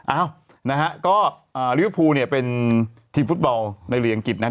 อ้าวนะฮะก็ริวภูเนี่ยเป็นทีมฟุตเบาในเรียงอังกฤษนะฮะ